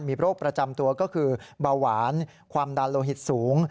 มีโรคประจำตัวก็คือเบาหวานความดันโลหิตสูง